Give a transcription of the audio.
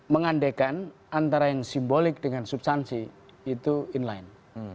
mengandekan antara yang simbolik dengan substansi itu inline